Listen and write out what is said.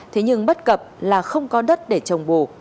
thế nhưng bất cập là không có đất để trồng bồ